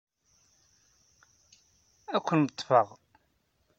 Ad ken-ḍḍfeɣ.